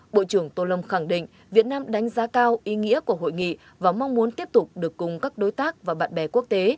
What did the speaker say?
bộ trưởng tô lâm khẳng định việt nam đánh giá cao ý nghĩa của hội nghị và mong muốn tiếp tục được cùng các đối tác và bạn bè quốc tế